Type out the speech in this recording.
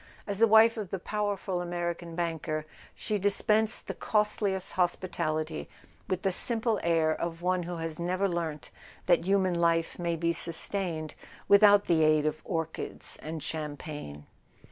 As the wife of the powerful American banker she dispensed the cost [ 88 ] A SON AT THE FRONT liest hospitality with the simple air of one who has never learnt that human life may be sustained with¬ out the aid of orchids and champagne.